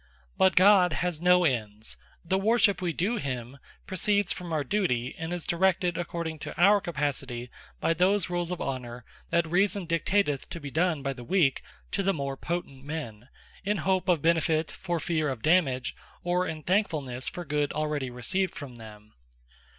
But God has no Ends: the worship we do him, proceeds from our duty, and is directed according to our capacity, by those rules of Honour, that Reason dictateth to be done by the weak to the more potent men, in hope of benefit, for fear of dammage, or in thankfulnesse for good already received from them.